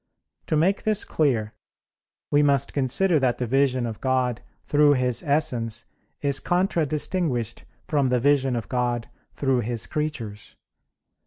To make this clear, we must consider that the vision of God through His Essence is contradistinguished from the vision of God through His creatures.